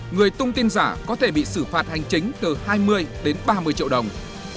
người tung tin giả có thể bị xử phạt hành chính từ hai mươi đến ba mươi triệu đồng